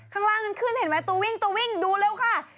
ข้างล่างขึ้นเห็นไหมตูวิ่งดูเร็วค่ะ